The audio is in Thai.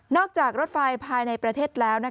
จากรถไฟภายในประเทศแล้ว